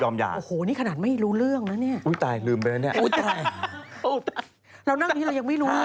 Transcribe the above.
มากกว่าปีมากกว่าปีนะ